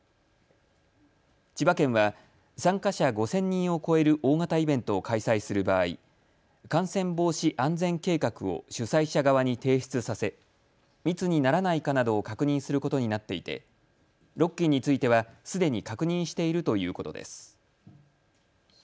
千葉県は参加者５０００人を超える大型イベントを開催する場合、感染防止安全計画を主催者側に提出させ密にならないかなどを確認することになっていてロッキンについてはすでに確認しているということです。